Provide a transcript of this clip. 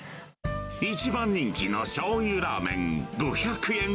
一番人気のしょうゆラーメン５００円。